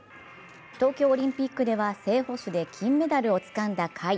東京オリンピックでは正捕手で金メダルをつかんだ甲斐。